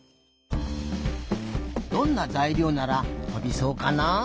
どんなざいりょうならとびそうかなあ？